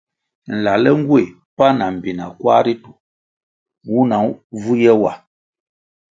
Nlale ngueh pan ma mbpina kwar ritu nwuna vu ye wa.